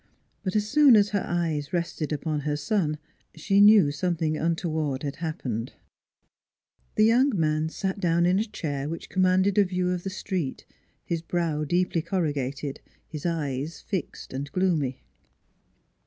But as soon as her eyes rested upon her son she knew something untoward had happened. 196 NEIGHBORS 197 The young man sat down in a chair which com manded a view of the street, his brow deeply corrugated, his eyes fixed and gloomy.